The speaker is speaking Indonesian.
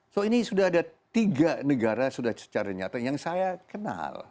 so ini sudah ada tiga negara sudah secara nyata yang saya kenal